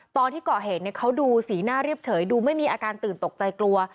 ตอนที่เกาะเหตุเขาดูสีหน้าเรียบเฉยดูไม่มีอาการตื่นตกใจกลัว